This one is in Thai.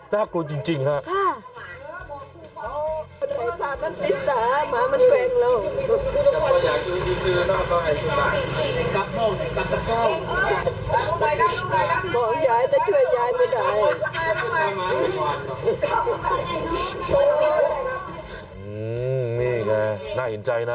น่ากลัวจริงค่ะข้าน่ากลัวจริง